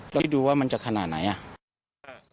เราให้ดูว่ามันจะขนาดไหนอ่ะ